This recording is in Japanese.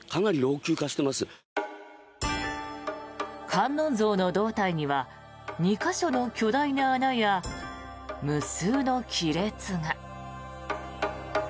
観音像の胴体には２か所の巨大な穴や無数の亀裂が。